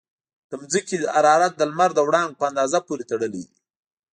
د ځمکې حرارت د لمر د وړانګو په اندازه پورې تړلی دی.